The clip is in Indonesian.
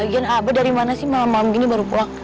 lagian abah dari mana sih malam malam gini baru pulang